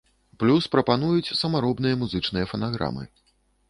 Плюс прапануюць самаробныя музычныя фанаграмы.